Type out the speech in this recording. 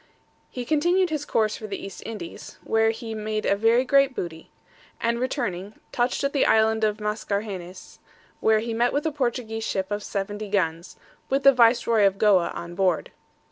He continued his course for the East Indies, where he made a very great booty; and returning, touched at the island of Mascarenhas, where he met with a Portuguese ship of 70 guns, with the viceroy of Goa on board.